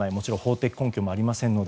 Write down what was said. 法的根拠もありませんので。